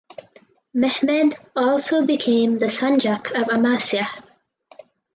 Mehmed also became the sanjak of Amasya.